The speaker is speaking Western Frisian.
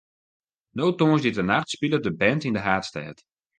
No tongersdeitenacht spilet de band yn de haadstêd.